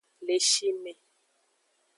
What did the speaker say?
Le shi me.